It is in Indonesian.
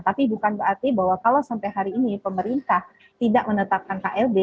tapi bukan berarti bahwa kalau sampai hari ini pemerintah tidak menetapkan klb